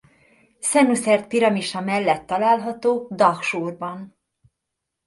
Szenuszert piramisa mellett található Dahsúrban.